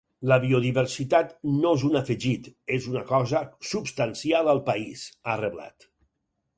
“La biodiversitat no és un afegit, és una cosa substancial al país”, ha reblat.